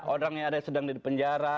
orangnya ada sedang di penjara